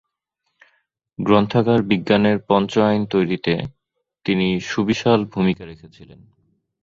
গ্রন্থাগার বিজ্ঞানের পঞ্চ আইন তৈরীতে তিনি সুবিশাল ভূমিকা রেখেছিলেন।